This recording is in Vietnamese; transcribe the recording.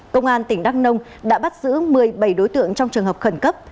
công an tỉnh đắk nông đã bắt giữ một mươi bảy đối tượng trong trường hợp khẩn cấp